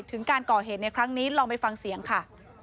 ถึงการก่อเหตุในครั้งนี้ลองไปฟังเสียงค่ะ